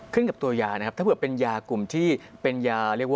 ขึ้นกับตัวยานะครับถ้าเผื่อเป็นยากลุ่มที่เป็นยา